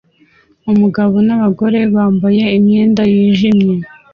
Umugabo n'abagore bambaye imyenda yijimye